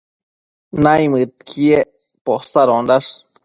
naimëdquiec posadosh